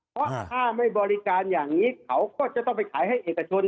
เพราะถ้าไม่บริการอย่างนี้เขาก็จะต้องไปขายให้เอกชน